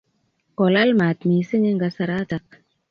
Kolal maat missing' eng' kasaratak.